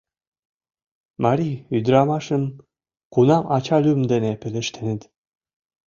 Марий ӱдырамашым кунам ачалӱм дене пелештеныт?